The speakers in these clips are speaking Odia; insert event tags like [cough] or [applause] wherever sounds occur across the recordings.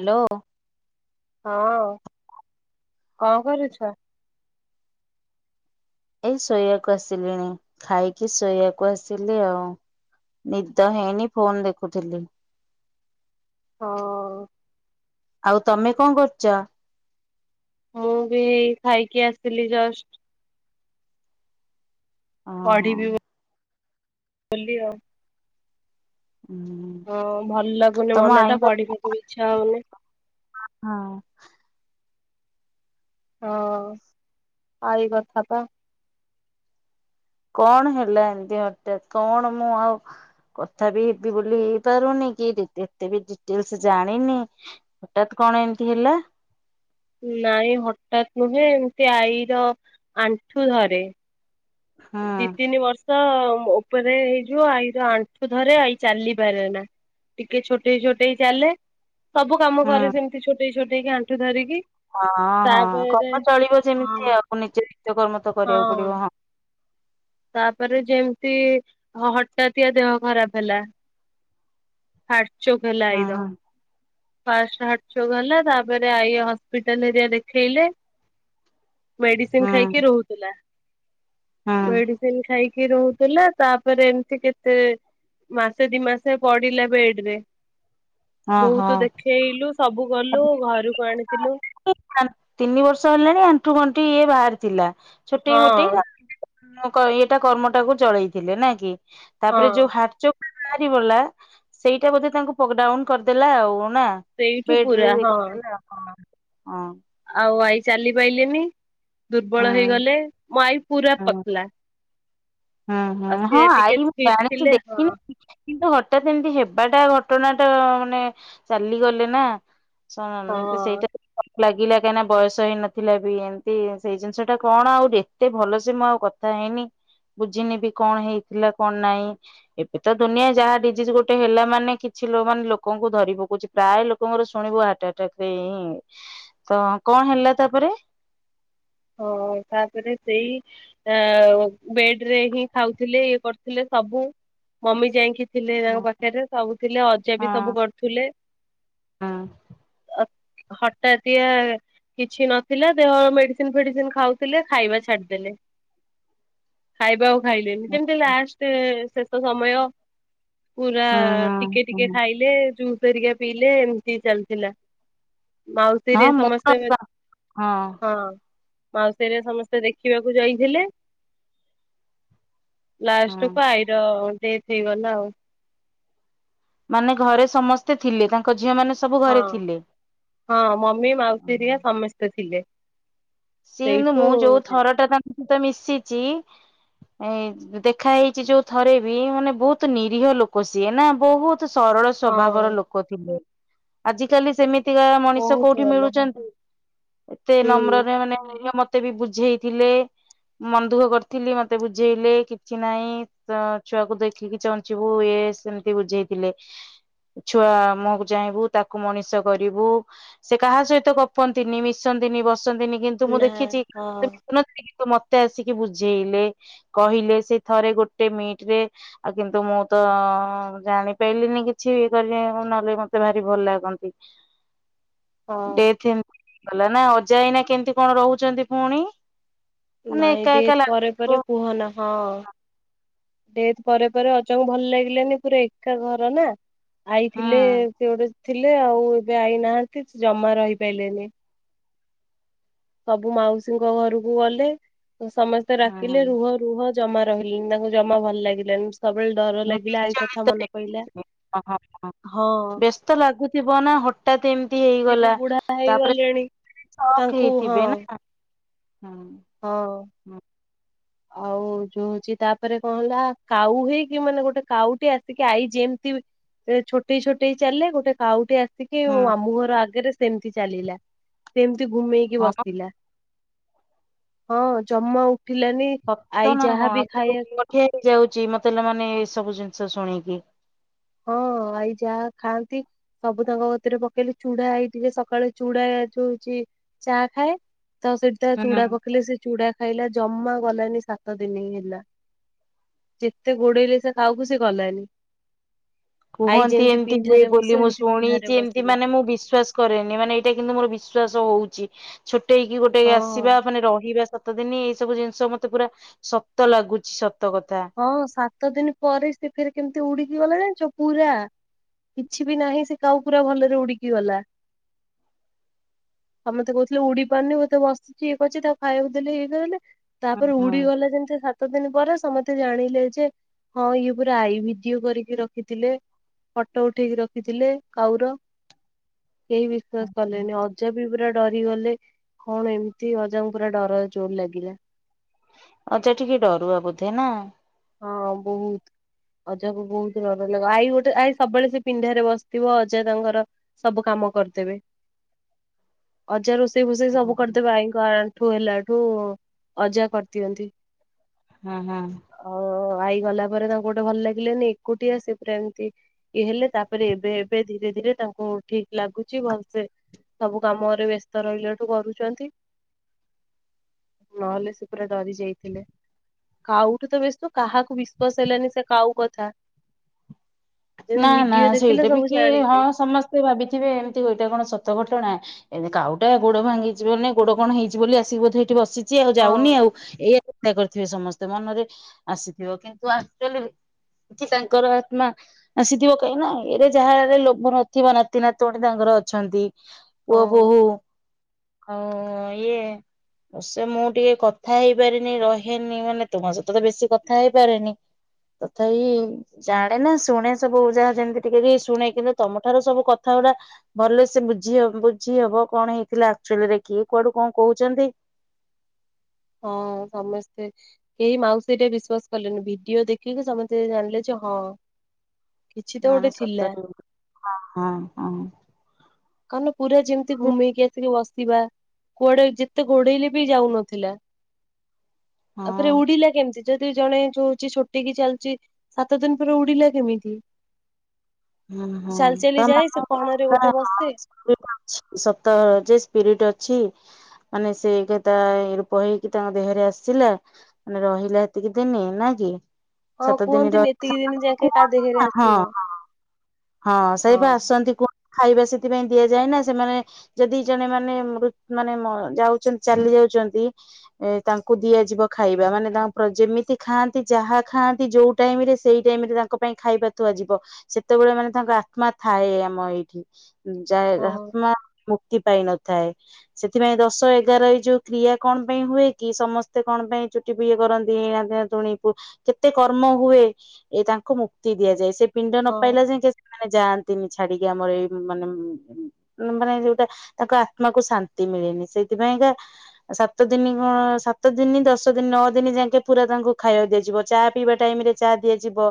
ହ୍ୟାଲୋ। ହଁ କଣ କରୁଛ? ଏଇ ଶୋଇବାକୁ ଆସିଲିଣି ଖାଇକି ଶୋଇବାକୁ ଆସିଲି ଆଉ। ନିଦ ହେଇନି ଫୋନ ଦେଖୁଥିଲି। ହଁ। ଆଉ ତମେ କଣ କରୁଛ? ମୁଁ ବି ଖାଇକି ଆସିଲି ଜଷ୍ଟ ଓହୋ ପଡ଼ିବି ବୋ ବୋଲି ଆଉ। ହୁଁ। ହଁ ଭଲ ଲାଗୁନି ତମ ମନ ଟା ଆଈଙ୍କ ପଢିବାକୁ ଇଚ୍ଛା ହଉନି। ହଁ। ହଁ ଆ ଏଇ କଥା ତ। କଣ ହେଲା ଏମିତି ହଟାତ୍ କଣ ମୁଁ ଆଉ କଥା ବି ହେବି ବୋଲି ହେଇପାରୁନି କି ଏତେ ବି ଡିଟେଲସ ଜାଣିନି। ହଠାତ୍ କଣ ଏମିତି ହେଲା। ନାଇଁ ହଠାତ ନୁହେଁ ଏମିତି ଆଈର ଆଣ୍ଠୁ ଧରେ। ହୁଁ ଦି ତିନି ବର୍ଷ ମୋ ଉପରେ ହେଇଯିବ ଆଇର ଆଣ୍ଠୁ ଧରେ ଆଇ ଚାଲିପାରେ ନା ଟିକେ ଛୋଟଇ ଛୋଟେଇ ଚାଲେ। ସବୁ କାମ ହୁଁ କରେ ସେମିତି ଛୋଟେଇ ଛୋଟେଇକି ଆଣ୍ଠୁ ଧରିକି। ହଁ ହଁ ତାପରେ କପ ଚଳିବ ହଁ ଯେମିତି ଆଉ ନିଜେ ନିଜ କର୍ମ ତ କରିବାକୁ ପଡିବ ହଁ। ତାପରେ ଯେମିତି ହଠାତିଆ ଦେହ ଖରାପ ହେଲା। ହାଟଚୋକ ହେଲା ହୁଁ ଆଇର। ହୁଁ ଫାଷ୍ଟ ହାଟଚୋକ ହେଲା ତାପରେ ଆଇ ହସ୍ପିଟାଲ ହେରିଆ ଦେଖେଇଲେ। ମେଡିସିନ ହୁଁ ଖାଇକି ରହୁଥିଲା। ହୁଁ ଟିକେ ରହୁଥିଲା ତାପରେ ଏମିତି କେତେ ମାସେ ଦି ମାସେ ପଡିିଲା ବେଡେରେ। ହଁ ବହୁତ ହଁ ଦେଖେଇଲୁ ସବୁ କଲୁ ଘରକୁ ଆଣିଥିଲୁ। ତିନି ବର୍ଷ ହେଲାଣି ଆଣ୍ଠୁ ଗଣ୍ଠି ଇଏ ବାହାରି ଥିଲା ଛୋଟେଇ ହଁ ମୋଟେଇ ମୋକ ଏଇଟା କର୍ମଟାକୁ ଚଳେଇଥିଲେ ନା କି ହଁ ତାପରେ ଯୋଉ ହାଟଚୋକ ବାହାରିପଡିଲା ସେଇଟା ବୋଧେ ତାଙ୍କୁ ପକଡାଉନ କରିଦେଲା ଆଉ ନା। ସେଇଠୁ ପୁରା ବେଡରେ ଇଏ ହଁ କରିଦଲେ ହଁ ହଁ। ଆଉ ଆଇ ଚାଲି ପାଇଲେନି ଦୁର୍ବଳ ହଁ ହେଇଗଲେ ମୋ ଆଈ ପୁରା ପତଲା। ହଁ ହଁ ଆଉ ହଁ ସିଏ ଟିକେ ଆଇ ମୁଁ ଫିଟ୍ ଜାଣିଛି ଥିଲେ ହଁ ଦେଖିନି କିନ୍ତୁ ହଠାତ୍ ଏମିତି ହେବାଟା ଘଟଣା ଟା ମାନେ ଚାଲିଗଲେ ନା। ଶୁଣ ଏମିତି ହଁ ସେଇଥିରେ ମତେ ମଲାଗିଲା କାହିଁକିନା ବୟସ ହେଇ ନଥିଲା ବି ଏମିତି ସେଇ ଜିନିଷ ଟା କଣ ଆଉ ଯେ ଏତେ ଭଲସେ ମୁଁ ଆଉ କଥା ହେଇନି। ବୁଝିନି ବି କଣ ହେଇଥିଲା କଣ ନାଇଁ ଏବେ ତ ଦୁନିଆ ଯାହା ଡିଜିଜ ଗୋଟେ ହେଲା ମାନେ କିଛି ଲ ମାନେ ଲୋକଙ୍କୁ ଧରି ପକଉଛି। ପ୍ରାୟ ଲୋକଙ୍କର ଶୁଣିବୁ ହାର୍ଟ ଆଟାକରେ [unintelligible] ତ କଣ ହେଲା ତାପରେ? ହଁ ତାପରେ ସେଇ ଆ ବେଡ ରେ ହିଁ ଖାଉଥିଲେ ଇଏ କରୁଥିଲେ ସବୁ ମମି ଯାଇକି ଥିଲେ ହଁ ତାଙ୍କ ପାଖରେ ସବୁ ଥିଲେ ଅଜା ବି ସବୁ କରୁଥିଲେ। ହଁ। ହଠାତିଆ କିଛି ନଥିଲା ଦେହ ମେଡି [unintelligible] ଖାଉଥିଲେ ଖାଇବା ଛାଡିଦେଲେ ଖାଇବା ଆଉ ଖାଇଲେନି ଯେମିତି ଲାଷ୍ଟ ଶେଷ ସମୟ ପୁରା ହୁଁ ଟିକେ ଟିକେ ହୁଁ ଖାଇଲେ ଜୁସ ହରିକା ପିଇଲେ ଏମିତି ଚାଲିଥିଲା। ମାଉସୀ ହଁ ହରିଆ ସମସ୍ତେ ହଁ। ମୁଁ ହଁ ମାଉସୀରେ ସମସ୍ତେ ଦେଖିବାକୁ ଯାଇଥିଲେ। ହଁ ଲାଷ୍ଟକୁ ଆଇର ଡେଥ ହେଇଗଲା ଆଉ। ମାନେ ଘରେ ସମସ୍ତେ ଥିଲେ ତାଙ୍କ ଝିଅ ମାନେ ସବୁ ଘରେ ହଁ। ଥିଲେ? ହଁ ମମି ମାଉସୀ ହରିଆ ସମସ୍ତେ ଥିଲେ। ସିଏ ନୁ ସେଇଠୁ ମୁଁ ଯୋଉ ଥରଟା ତାଙ୍କ ସହିତ ମିଶିଛି ଏ ଦେଖା ହେଇଛି ଯୋଉ ଥରେ ବି ମାନେ ବହୁତ ନିରୀହ ଲୋକ ସିଏ ନା ବହୁତ ସରଳ ସ୍ୱଭାବର ହଁ। ଲୋକ ଥିଲେ। ଆଜିକାଲି ସେମିତି ତିକା ମଣିଷ ବହୁତ କୋଉଠି ଭଲ ହଁ। ମିଳୁଛନ୍ତି। ଏତେ ନମ୍ର ହୁଁ ମାନେ ମତେ ବି ବୁଝେଇଥିଲେ ମନ ଦୁଃଖ କରିଥିଲି ମତେ ବୁଝେଇଲେ କିଛି ନାହିଁ ତ ଛୁଆକୁ ଦେଖିକି ଚଞ୍ଚିବୁ ଇଏ ସେମତି ବୁଝେଇଥିଲେ। ଛୁଆ ମୁହଁକୁ ଚାହିଁବୁ ତାକୁ ମଣିଷ କରିବୁ ସେ କାହା ସହିତ ଗପନ୍ତିନି ମିଶନ୍ତିନି ବସନ୍ତିନି କିନ୍ତୁ ମୁଁ ନା ଦେଖିଛି ହଁ [unintelligible] କି ମତେ ଆସିକି ବୁଝେଇଲେ କହିଲେ ସେଇ ଥରେ ଗୋଟେ ମିଟ ରେ ଆଉ କିନ୍ତୁ ମୁଁ ତ ଜାଣିପାରିଲିନି କିଛି ଇଏ କରିଲିନି ନହଲେ ମତେ ଭାରି ଭଲ ଲାଗନ୍ତି। ହଁ ଡେଥ ଏମିତି ହେଇ ଗଲା ନା ଅଜା ଏଇନା କେମତି କଣ ରହୁଛନ୍ତି ପୁଣି? ମାନେ ନାଇଁ ଏକା ଏକା ଡେଥ ପରେ ପରେ ଲାଗୁଥିବ [unintelligible] ଡେଥେ ପରେ ପରେ ଅଜା ଙ୍କୁ ଭଲ ଲାଗିଲାନି ପୁରା ଏକା ଘର ନା ଆଇ ହୁଁ ଥିଲେ ସେ ଗୋଟେ ଥିଲେ ଆଉ ଏବେ ଆଇ ନାହାନ୍ତି ସେ ଜମା ରହିପାରିଲନି। ସବୁ ମାଉସୀଙ୍କ ଘରକୁ ଗଲେ। ସମସ୍ତେ ହୁଁ ହୁଁ ଡାକିଲେ ରୁହ ରୁହ ଜମା ରହିଲେନି ତାଙ୍କୁ ଜମା ଭଲ ଲାଗିଲାନି। ସବୁବେଳେ ଡର ମୁଁ ଲାଗିଲା ଆଇ ବିଚଳିତ କଥା ମନେ ପଇଲା। [unintelligible] ହଁ ବ୍ୟସ୍ତ ଲାଗୁଥିବ ନା ହଠାତ୍ ଏମିତି ସିଏ ବି ହେଇଗଲା। ବୁଢା ତାପରେ ହେଇଗଲେଣି। ସକ୍ ତାଙ୍କୁ ହଁ ହେଇଥିବେ ନା। ହଁ ହୁଁ ଆଉ ଯୋଉ ହଉଛି ତାପରେ କଣ ହେଲା କାଉ ହେଇକି ମାନେ ଗୋଟେ କାଉଟେ ଆସିକି ଆଈ ଯେମିତି ସେ ଛୋଟେଇ ଛୋଟେଇ ଚାଲେ ଗୋଟେ କାଉଟେ ଆସି କି ହୁଁ ମୋ ମାମୁଁ ଘର ଆଗରେ ସେମିତି ଚାଲିଲା ସେମିତି ଘୁମେଇକି ହଁ ବସିଲା ହଁ ଜମା ଉଠିଲାନି ଆଇ ଯାହା ବି ଖାଇବା କିଏ ଯାଉଛି ମତେ ହେଲେ ମାନେ ଏ ସବୁ ଜିନିଷ ଶୁଣିକି ହଁ ଆଇ ଯାହା ଖାଆନ୍ତି ସବୁ ତାଙ୍କ କତିରେ ପକେଇଲେ ଚୁଡା ହେଇଥି ସକାଳେ ଚୁଡା ଦଉଛି ଚା ଖାଏ ତ ସେଇଠି ତା ଚୁଡା ହୁଁ ପକେଇଲେ ସେ ଚୁଡା ଖାଇଲା ଜମା ଗଲାନି ସାତ ଦିନି ହେଲା ଯେତେ ଗୋଡେଇଲେ ସେ କାଉକୁ ସେ ଗଲାନି। ଆଈ କୁହନ୍ତି ଯେମିତି ଏମିତି ହୁଏ ପିଣ୍ଢାରେ ବସେ ବୋଲି ମୁଁ ସେମିତି ପିଣ୍ଢାରେ ଶୁଣିଛି ଏମିତି ବସିଲା ମାନେ ମୁଁ ବିଶ୍ଵାସ କରେନି ମାନେ ଏଇଟା କିନ୍ତୁ ମୋର ବିଶ୍ୱାସ ହଉଛି ଛୋଟେଇକି ଗୋଟେ ଆସିବା ହଁ। ମାନେ ରହିବା। ସାତ ଦିନ ଏଇ ସବୁ ଜିନିଷ ମତେ ପୁରା ସତ ଲାଗୁଛି ସତ କଥା। ହଁ ସାତ ଦିନ ପରେ ସେ ଫେରେ କେମିତି ଉଡିକି ଗଲା ଜାଣିଛ ପୁରା କିଛି ବି ନାହିଁ ସେ କାଉ ପୁରା ଭଲରେ ଉଡିକି ଗଲା। ଆଉ ମତେ କହୁଥିଲେ ଉଡି ପାରୁନି ମୁଁ ତ ବସିଛି ଇଏ କରୁଛି ତାକୁ ଖାଇବାକୁ ଦେଲେ ହେଲେ ହୁଁ ତାପରେ ଉଡି ଗଲେ ଯେମିତି ସାତ ଦିନ ପରେ ସମ ତେ ଜାଣିଲେ ଯେ ହଁ ଇଏ ପୁରା ଆଇ ଭିଡିଓ କରିକି ରଖିଥିଲେ। ଫଟୋ ଉଠେଇକି ରଖିଥିଲେ କାଉର। କେହି ବିଶ୍ଵାସ ହୁଁ କଲେନି ଅଜା ବି ପୁରା ଡରିଗଲେ। କଣ ଏମିତି ଅଜାଙ୍କୁ ପୁରା ଡରରେ ଜୋର ଲାଗିଲା। ଅଜା ଟିକେ ଡରୁଆ ବୋଧେ ନା? ହଁ ବହୁତ। ଅଜା କୁ ବହୁତ ଡର ଲାଗ ଆଈ ଗୋଟେ ଆଇ ସବୁବେଳେ ସେ ପିଣ୍ଡାରେ ବସିଥିବ ଅଜା ତାଙ୍କର ସବୁ କାମ କରିଦେବେ ଅଜା ରୋଷେଇ ଫୋଷେଇ ହୁଁ ସବୁ କରିଦେବେ ଆଇ ଠୁ ଆଣ୍ଠୁ ହେଲା ଠୁ ଅଜା କରିଦିଅନ୍ତି। ହୁଁ ହୁଁ ଆଉ ଆଇ ଗଲା ପରେ ତାଙ୍କୁ ଗୋଟେ ଭଲ ଲାଗିଲାନି ଏକୁଟିିଆ ସେ ପୁରା ଏମିତି ଇଏ ହେଲେ ତାପରେ ଏବେ ଏବେ ଧୀରେ ଧୀରେ ତାଙ୍କୁ ଠିକ ଲାଗୁଛି ଭଲସେ ସବୁ କାମରେ ବ୍ୟସ୍ତ ରହିଲାଠୁ କରୁଛନ୍ତି। ନହେଲେ ସେ ପୁରା ଡରି ଯାଇଥିଲେ କାଉ ଠୁ ତ ବସ୍ତୁ କାହାକୁ ବିଶ୍ୱାସ ହେଲାନି ସେ କାଉ କଥା। ଯେମିତି ନା ନା ଭିଡିଓ ଦେଖିଲେ ସେଇଟା ବି ସବୁ କିଏ ଜାଣିଲେ ହଁ ସମସ୍ତେ ଭାବିଥିବେ ଏମିତି ଏଇଟା କଣ ସତ ଘଟଣା? ଏବେ କାଉଟା ଗୋଡ ଭାଙ୍ଗିଛି ମାନେ ଗୋଡ କଣ ହେଇଛି ବୋଲି ଆସିକି ବୋଧେ ଏଇଠି ବସିଛି ଆଉ ହଁ ଯାଉନି ଆଉ ଏଇ ଚୋ କରିଥିବେ ସମସ୍ତେ ମନରେ ଆସିଥିବ କିନ୍ତୁ ଆକଚୁଆଲି ସେ ତାଙ୍କର ଆତ୍ମା ଆସିଥିବ କାହିଁକି ନା ଏରା ଯାହାହେଲେ ନଥିବ ନାତି, ନାତୁଣୀ ତାଙ୍କର ଅଛନ୍ତି। ପୁଅ, ହଁ। ବୋହୁ ଆଉ ଇଏ ସେ ମୁଁ ଟିକେ କଥା ହେଇପାରିନି ରହେନି ମାନେ ତୁମ ସହିତ ତ ବେଶୀ କଥା ହେଇପାରେନି। ତଥାପି ଜାଣେ ନା ଶୁଣେ। ସବୁ ଯାହା ଯେମିତି ଟିକେ ଟିକେ ଶୁଣେ କିନ୍ତୁ ତମ ଠାରୁ ସବୁ କଥା ଗୁଡା ଭଲ ସେ ବୁଝି ବୁଝି ହବ କଣ ହେଇଥିଲା ଆକ୍ଚୁଆଲିରେ କିଏ କୁଆଡୁ କଣ କହୁଛନ୍ତି। ହଁ ସମସ୍ତେ କେହି ମାଉସୀଟା ବିଶ୍ୱାସ କଲେନି ଭିଡିଓ ଦେଖିକି ସମସ୍ତେ ଜାଣିଲେ ଯେ ହଁ। କିଛି ତ ଗୋଟେ ଥିଲା। ହଁ ହଁ ହଁ। କାନ ପୁରା ଯେମିତି ଘୁମେଇକି ଆସିକି ବସିବା। କୁଆଡେ ଯେତେ ଗୋଡ଼େଇଲେ ବି ହଁ ଯାଉନଥିଲାତାପରେ ଉଡିଲା କେମିତି? ଯଦି ଜଣେ ଯଉଛି ଛୋଟେଇ କିି ଚାଲିଚି। ସାତ ଦିନି ପରେ ଉଡିଲା କେମିତି? ହୁଁ ହୁଁ ଚାଲି ଚାଲି ଯାଏ ସେ କଣ ରେ ଗୋଟେ ବସେ। ସପ୍ତାହର ଯେ ସ୍ପିରିଟ୍ ଅଛି। ମାନେ ସେ ଏଗେତା ଏ ରୂପ ହେଇକି ତାଙ୍କ ଦେହରେ ଆସିଥିଲା। ମାନେ ରହିଲା ଏତିକି ଦିନି ନା କି। ହଁ ସାତ ଦିନି ର କୁହନ୍ତିନି ଏତିକି ଦିନ ଯାକେ କାଦେହରେ [unintelligible] ଆସିବ ହଁ। ହଁ ସେହିପା ଆସୁଛନ୍ତି କୁ ଖାଇବା ସେଥିପାଇଁ ଦିଆଯାଏ ନା ସେମାନେ ଯଦି ଜଣେ ମାନେ ମୃତୁ ମାନେ ମ ଯାଉଛନ୍ତି ଚାଲି ଯାଉଛନ୍ତି ଏ ତାଙ୍କୁ ଦିଆଯିବ ଖାଇବା ମାନେ ତାଙ୍କ ଯେମିତି ଖାଆନ୍ତି ଯାହା ଖାଆନ୍ତି ଯୋଉ ଟାଇମିରେ ସେଇ ଟାଇମି ରେ ତାଙ୍କ ପାଇଁ ଖାଇବା ତୁଆଯିବ। ସେତେବେଳେ ମାନେ ତାଙ୍କ ଆତ୍ମା ଥାଏଏ ଆମ ଏଇଠି। ଯାଏ ହଁ ଆତ୍ମା ମୁକ୍ତି ପାଇନ ଥାଏ। ସେଥିପାଇଁ ଦଶ ଏଗାର ଏଇ ଯୋଉ କ୍ରିୟା କଣ ପାଇଁ ହୁଏ କି ସମସ୍ତେ କଣ ପାଇଁ ଚୁଟି ବି ଇଏ କରନ୍ତି ଏଆଦେତେ ତୃଣି କୁ। କେତେ କର୍ମ ହୁଏ। ଏ ତାଙ୍କୁ ମୁକ୍ତି ଦିଆଯାଏ ସେ ପିଣ୍ଡ ନ ହଁ ପାଇଲା ଯାକେ ମାନେ ଯାଆନ୍ତିନି ଛାଡିକି ଆମର ଏଇ ମାନେ ଉଁ ଉଁ ମାନେ ମାନେ ଯୋଉଟା ତାଙ୍କ ଆତ୍ମାକୁ ଶାନ୍ତି ମିଳେନି ସେଥିପାଇଁକା ସାତ ଦିନ କଣ ସାତ ଦିନ ଦଶ ଦିନ ନଅ ଦିନ ଯାକେ ପୁରା ତାଙ୍କୁ ଖାଇବାକୁ ଦିଆଯିବ ଚା ପିଇବା ଟାଇମି ରେ ଚା ଦିଆଯିବ।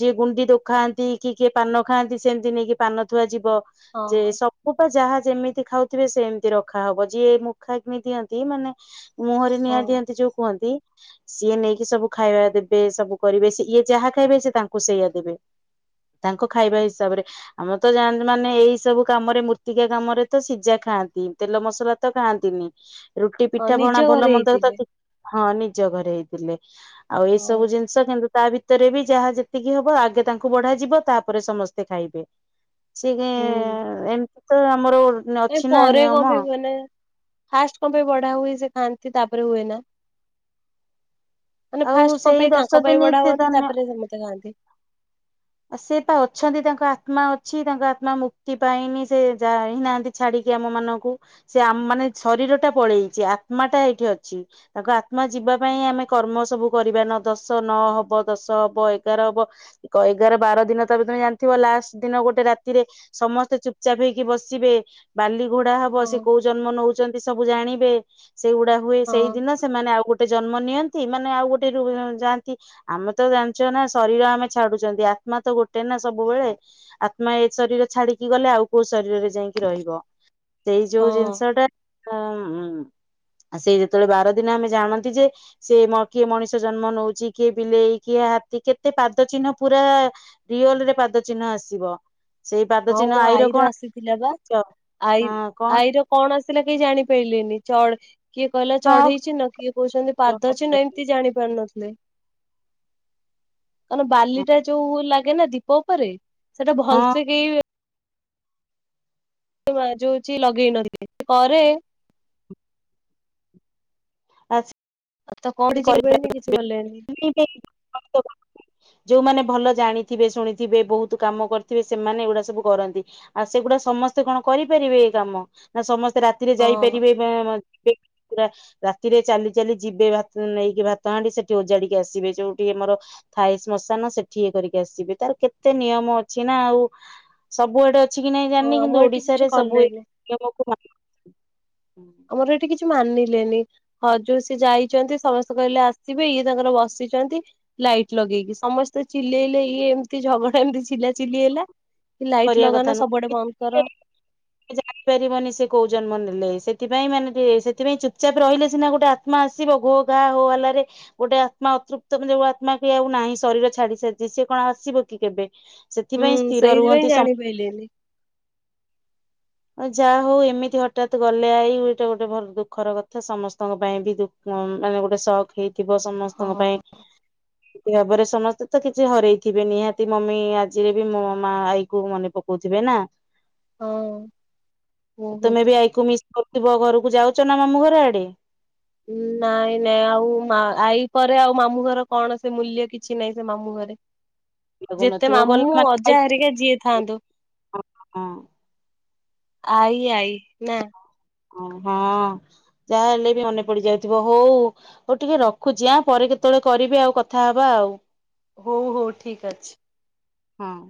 ଯିଏ ଗୁଣ୍ଡି ଦୋ ଖାଆନ୍ତି କିଏ କିଏ ପାନ ଖାଆନ୍ତି ସେମିତି ନେଇକି ପାନ ଥୁଆ ଯିବ। ଯେ ହଁ ସବୁ ସବୁ ପା ଯାହା ଯେମିତି ଖାଉଥିବେ ସେମିତି ରଖାହବ ଯିଏ ମୁଖଗ୍ନୀ ଦିଅନ୍ତି ମାନେ ମୁହଁରେ ନିଆଁ ହଁ ଦିଅନ୍ତି ଯୋଉ କୁହନ୍ତି ସିଏ ନେଇକି ସବୁ ଖାଇବା ଦେବେ ସବୁ କରିବେ ସେ ଇଏ ଯାହା ଖାଇବେ ସେ ତାଙ୍କୁ ସେଇଆ ଦେବେ। ତାଙ୍କୁ ଖାଇବା ହିସାବରେ। ଆମର ତ ଯାଆନ୍ତି ମାନେ ଏଇ ସବୁ କାମରେ ମୃତ୍ତିକା କାମରେ ତ ସିଝା ଖାଆନ୍ତି ତେଲ ମସଲା ତ ଖାଆନ୍ତିନି। ରୁଟି, ହଁ ପିଠା ନିଜ ଭଣା, ଭଲ ଘରେ ମନ୍ଦର ତ ହେଇଥିଲେ ହଁ ନିଜ ଘରେ ହେଇଥିଲେ। ଆଉ ଏଇ ସବୁ ହଁ ଜିନିଷ କିନ୍ତୁ ତା ଭିତରେ ବି ଯାହା ଯେତିକି ହବ ଆଗେ ତାଙ୍କୁ ବଢ଼ା ଯିବ ତାପରେ ସମସ୍ତେ ଖାଇବେ। ସେକେ ହୁଁ ଏମିତି ତ ଆମର କାଇଁ ଅଛି ନା ପରେ କ ନିୟମ। ପାଇଁ ହୁଏ ନା। ଫାଷ୍ଟ କ ପାଇଁ ବଢା ହୁଏ ସେ ଖାଆନ୍ତି ତାପରେ ହୁଏ ନା? ମାନେ ଆଉ ଫାଷ୍ଟ କ ସେଇ ପାଇଁ ତାଙ୍କ ଦଶ ପାଇଁ ଦିନ ବଢା ସେ ହୁଅନ୍ତି ଧନ୍ୟ ତାପରେ ସମସ୍ତେ ଖାଆନ୍ତି? ସେ ତା ଅଛନ୍ତି ତାଙ୍କ ଆତ୍ମା ଅଛି ତାଙ୍କ ଆତ୍ମା ମୁକ୍ତି ପାଇନି ସେ ଯାଇ ନାହାନ୍ତି। ଛାଡିକି ଆମ ମାନଙ୍କୁ। ସେ ଆମ୍ ମାନେ ଶରୀର ଟା ପଳେଇଛି ଆତ୍ମା ଟା ଏଇଠି ଅଛି। ତାଙ୍କ ଆତ୍ମା ଯିବା ପାଇଁ ଆମେ କର୍ମ ସବୁ କରିବା ନଅ ଦଶ ନଅ ହବ ଦଶ ହବ ଏଗାର ହବ କ ଏଗାର ବାର ଦିନ ତା ତମେ ଜାଣିଥିବ ଲାଷ୍ଟ ଦିନ ଗୋଟେ ରାତିରେ ସମସ୍ତେ ଚୁପୁଚାପ ହେଇକି ବସିବେ। ବାଲି ଗୋଡ଼ା ହବ ହଁ ସେ କୋଉ ଜନ୍ମ ନଉଛନ୍ତି ସବୁ ଜାଣିବେ। ସେଗୁଡା ହୁଏ ହଁ ସେଇ ଦିନ ସେ ସେମାନେ ଆଉ ଗୋଟେ ଜନ୍ମ ନିଅନ୍ତି ମାନେ ଆଉ ଗୋଟେ ରୁ ଯାଆନ୍ତି ଆମେ ତ ଜାଣିଚ ନା ଶରୀର ଆମେ ଛାଡୁଛନ୍ତି ଆତ୍ମା ତ ଗୋଟେ ନା ସବୁବେଳେ। ଆତ୍ମା ଏ ଶରୀର ଛାଡିକି ଗଲେ ଆଉ କୋଉ ଶରୀରରେ ଯାଇକି ରହିବ। ସେଇ ହଁ। ଯୋଉ ଜିନିଷ ଟା ତ ଉଁ। ସେଇ ଯେତେବେଳେ ବାର ଦିନ ଆମେ ଜାଣନ୍ତି ଯେ ସେ ମ କିଏ ମଣିଷ ଜନ୍ମ ନଉଛି କିଏ ବିଲେଇ କିଏ ହାତୀ କେତେ ପାଦ ଚିହ୍ନ ପୁରା ରିଅଲ୍ ରେ ପାଦ ଚିହ୍ନ ଆସିବ। ସେଇ ପାଦ ହଁ ଚିହ୍ନ ମୋ ଆଇର ଆଈର କଣ ଆସିଥିଲା ବା ହଁ ଆଈ କଣ [unintelligible] ଆଈର କଣ ଆସିଲା କେହି ଜାଣିପାରିଲେନି ଚଢ କିଏ କହିଲା ଚଢେଇଛି ଚିହ୍ନ କିଏ କହୁଛନ୍ତି ହଁ ପାଦ ଚିହ୍ନ ଏମିତି ତି ଜାଣି ପାରୁ ନଥିଲେ କାରଣ ବାଲିଟା ଯୋଉ ଲାଗେ ନା ଦୀ ଦୀପ ଉପରେ ସେଟା ଭଲସେ କେହି ସେ ମା ଯଉ ହଉଛି ଲଗେଇ ନାହାନ୍ତି ସେ କରେ [unintelligible] ତ କଣ ଚିହ୍ନି ପାରିଲେନି କିଛି କଲେନି [unintelligible] ଯୋଉମାନେ ଭଲ ଜାଣିଥିବେ ଶୁଣିଥିବେ ବହୁତ୍ କାମ କରିଥିବେ ସେମାନେ ଏଗୁଡା ସବୁ କରନ୍ତି। ଆଉ ସେଗୁଡା ସମସ୍ତେ କଣ କରିପାରିବେ ଏଇ କାମ ନା ସମସ୍ତେ ରାତି ରାତି ରେ ହଁ ଯାଇପାରିବେ ବା ପୁରା ରାତିରେ ଚାଲି ଚାଲି ଯିବେ ବା [unintelligible] ନେଇକି ଭାତ ହାଣ୍ଡି ସେଠି ଓଜାଡିକି ଆସିବେ ଯୋଉଠି ଆମର ଥାଏ ଶ୍ମଶାନ ସେଠି ଇଏ କରିକି ଆସିବେ ତାର କେତେ ନିୟମ ଅଛି ନା ଆଉ ସବୁଆଡେ ଅଛି କି ନାହିଁ ହଁ ଜାଣିନି କିନ୍ତୁ ଆମର ଏଠି କିଛି ଓଡିଶାରେ ସବୁ ଏଇ କଲେନି। ନିୟମ କୁ [unintelligible] ଆମର ଏଠି କିଛି ମାନିଲେନି। ହ ଜଉ ସିଏ ଯାଇଛନ୍ତି ସମସ୍ତେ କହିଲେ ଆସିବେ ଇଏ ତାଙ୍କର ବସିଛନ୍ତି। ଲାଇଟ୍ ଲଗେଇକି ସମସ୍ତେ ଚିଲେଇଲେ ଇଏ ଏମିତି ଝଗଡା ଏମତି ଚିଲା ଚିଲି ହେଲା କି ଲାଇଟ୍ କରିବା ଲଗାନା ସବୁଆଡେ ବନ୍ଦ କର। ସେ ଜାଇପାରିବନି ସେ କୋଉ ଜନ୍ମ ନେଲେ ସେଥିାଇଁ ମାନେ ସେଥିପାଇଁ ଚୁପଚାପ ରହିଲେ ସିନା ଗୋଟେ ଆ ଆତ୍ମା ଆସିବ ଘୋ ଘା ହୋ ହାଲାରେ ଗୋଟେ ଆତ୍ମା ଅତୃପ୍ତ ମାନେ ଯୋଉ ଆତ୍ମା କି ଆଉ ନାହିଁ ଶରୀର ଛାଡି ସାରିଛି ସିଏ କଣ ଆସିବ କି କେବେ ସେଥିପାଇଁ ସ୍ଥିର ରୁହନ୍ତି ସମ ଚୁପ୍ ହେଲେନି [unintelligible] ଆଉ ଯାହା ହଉ ଏମିତି ହଠାତ୍ ଗଲେ ଆଇ ଗୋଟେ ଭଲ ଦୁଃଖର କଥା ସମସ୍ତଙ୍କ ପାଇଁ ବି ଦୁ ହଁ ମାନେ ଗୋଟେ ସକ୍ ହେଇଥିବ ସମସ୍ତଙ୍କ ହଁ। ପାଇଁ [inaudible] ଭାବରେ ସମସ୍ତେ ତ କିଛି ହରେଇଥିବେ ନିହାତି ମମି ଆଜିରେ ବି ମୋ ମା ଆଈ କୁ ମନେ ପକଉଥିବେ ନା ହଁ। ବହୁତ। ତମେ ବି ଆଇ କୁ ମିସ୍ କରୁଥିବ ଘରକୁ ଯାଉଛ ନା ମାମୁଁ ଘର ଆଡେ? ନାଇଁ ନାଇଁ ଆଉ ମା ଆଇ ପରେ ଆଉ ମାମୁଁ ଘର କଣ ସେ ମୂଲ୍ୟ କିଛି ନାହିଁ ସେ ମାମୁଁ ଘରେ। ଯେତେ ଲାଗୁନଥିବ ଗଲା ମାମୁଁ ଅଜା ହରିକା ଯିଏ ଥାଆନ୍ତୁ। ହ, ହ, ହଁ। ଆଇ ଆଇ ନା। ଓ ହଁ ଯାହାହେଲେ ବି ମନେ ପଡି ଯାଉଥିବ ହଉ ହଉ ଟିକେ ରଖୁଛି ଆ ପରେ କେତେବେଳେ କରିବି ଆଉ କଥା ହବା ଆଉ। ହଉ ହଉ ଠିକ୍ ଅଛି। ହଁ।